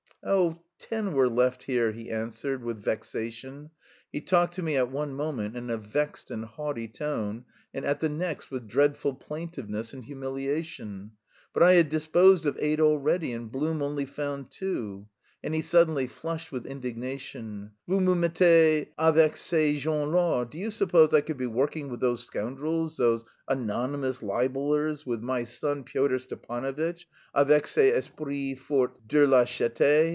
"Oh, ten were left here," he answered with vexation (he talked to me at one moment in a vexed and haughty tone and at the next with dreadful plaintiveness and humiliation), "but I had disposed of eight already, and Blum only found two." And he suddenly flushed with indignation. "Vous me mettez avec ces gens là! Do you suppose I could be working with those scoundrels, those anonymous libellers, with my son Pyotr Stepanovitch, _avec ces esprits forts de lâcheté?